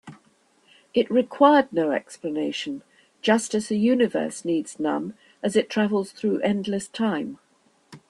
It required no explanation, just as the universe needs none as it travels through endless time.